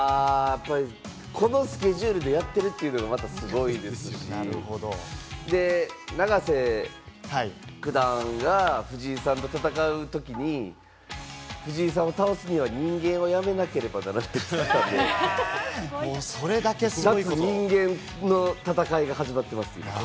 このスケジュールでやってるというのがまたすごいですし、永瀬九段が藤井さんと戦うときに藤井さんを倒すには人間をやめなければならないって言ってたんで、脱・人間の戦いが始まっています。